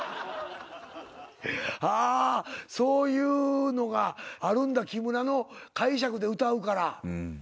あそういうのがあるんだ木村の解釈で歌うから。